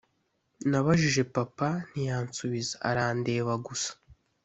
nabajije papa ntiyansubiza arandeba gusa